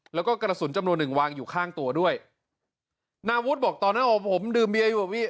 แล้วก็กระสุนจำนวนหนึ่งวางอยู่ข้างตัวด้วยนาวุฒิบอกตอนนั้นผมดื่มเบียอยู่กับพี่